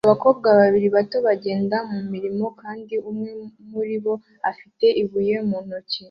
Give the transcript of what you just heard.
Abakobwa babiri bato bagenda mu murima kandi umwe muri bo afite ibuye mu ntoki